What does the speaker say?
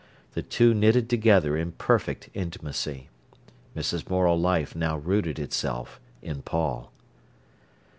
The two knitted together in perfect intimacy. Mrs. Morel's life now rooted itself in Paul.